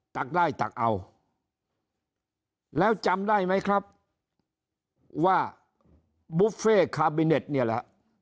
ตักได้ตักเอาแล้วจำได้ไหมครับว่าบุฟเฟ่คาบิเน็ตเนี่ยแหละ